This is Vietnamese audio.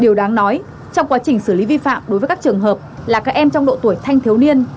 điều đáng nói trong quá trình xử lý vi phạm đối với các trường hợp là các em trong độ tuổi thanh thiếu niên